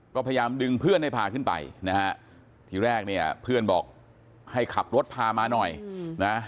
ก็พยายามดึงเพื่อนให้พาขึ้นไปนะฮะทีแรกเนี่ยเพื่อนบอกให้ขับรถพามาหน่อยนะ